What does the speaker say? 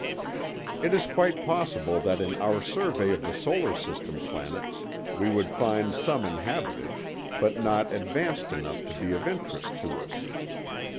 It is quite possible that in our survey of the solar system planets we would find some inhabited, but not advanced enough to be of interest to us.